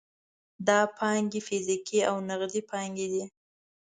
دا پانګې فزیکي او نغدي پانګې دي.